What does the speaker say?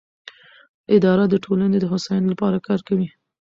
اداره د ټولنې د هوساینې لپاره کار کوي.